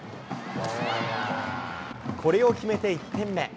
これを決めて１点目。